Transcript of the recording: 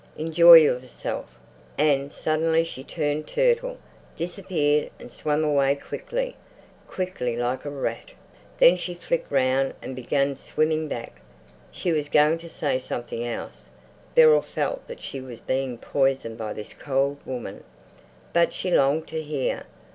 Enjoy yourself." And suddenly she turned turtle, disappeared, and swam away quickly, quickly, like a rat. Then she flicked round and began swimming back. She was going to say something else. Beryl felt that she was being poisoned by this cold woman, but she longed to hear.